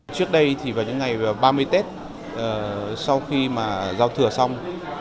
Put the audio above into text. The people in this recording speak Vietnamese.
trước đây thì vào những ngày ba mươi tết sau khi mà giao thừa xong